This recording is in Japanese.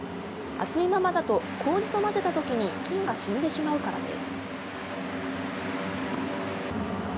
熱いままだとこうじと混ぜたときに菌が死んでしまうからです。